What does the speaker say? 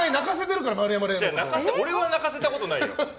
俺は泣かせたことないよ。